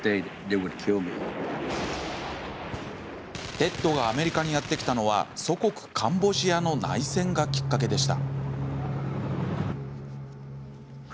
テッドがアメリカにやって来たのは祖国・カンボジアの内戦がきっかけでした。